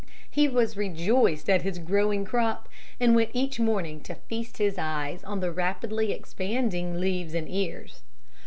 He was rejoiced at his growing crop and went each morning to feast his eyes on the rapidly expanding leaves and ears.